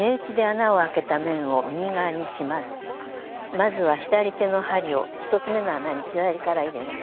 まずは左手の針を１つめの穴に左から入れます。